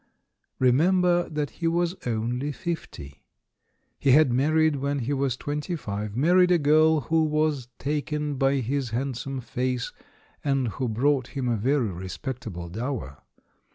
Remember that he was only fifty. He had married when he was twenty five, married a girl who was taken by his handsome face, and who brought him a very respectable dower.